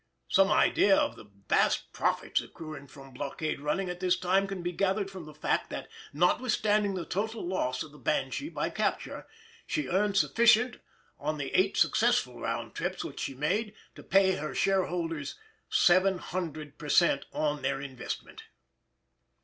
Some idea of the vast profits accruing from blockade running at this time can be gathered from the fact that, notwithstanding the total loss of the Banshee by capture, she earned sufficient on the eight successful round trips which she made to pay her shareholders 700 per cent on their investment.